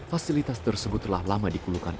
fasilitas tersebut telah lama dikeluhkan